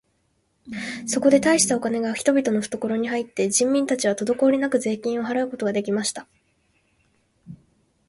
そこで大したお金が人々のふところに入って、人民たちはとどこおりなく税金を払うことが出来ました。